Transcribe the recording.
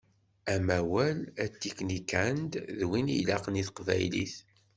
Amawal atiknikand win ilaqen i teqbaylit.